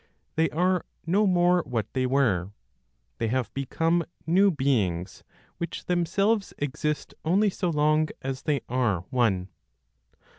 They are no more what they were, they have become new beings, which themselves exist only so long as they are one.